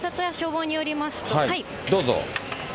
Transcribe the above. どうぞ。